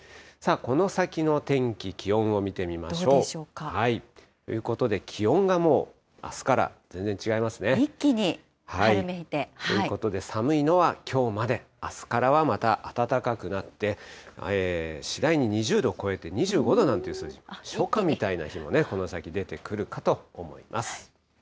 この先の天気、気温を見てみましょう。ということで、気温がもうあすか一気に春めいて。ということで、寒いのはきょうまで、あすからはまた暖かくなって、次第に２０度を超えて、２５度なんていう数字、初夏みたいな日も、この先、出てくるかと思います。